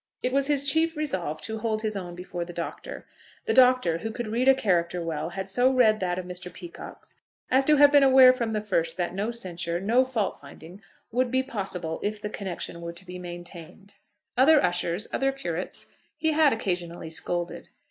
It was his chief resolve to hold his own before the Doctor. The Doctor, who could read a character well, had so read that of Mr. Peacocke's as to have been aware from the first that no censure, no fault finding, would be possible if the connection were to be maintained. Other ushers, other curates, he had occasionally scolded.